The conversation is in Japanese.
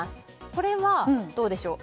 これはどうでしょう。